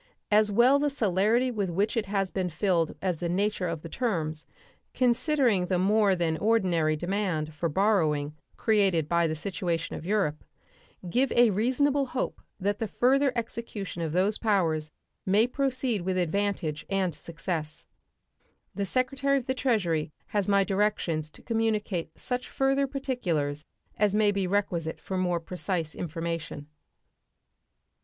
As well the celerity with which it has been filled as the nature of the terms (considering the more than ordinary demand for borrowing created by the situation of Europe) give a reasonable hope that the further execution of those powers may proceed with advantage and success. The Secretary of the Treasury has my directions to communicate such further particulars as may be requisite for more precise information.